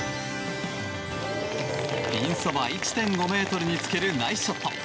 ピンそば１．５ｍにつけるナイスショット。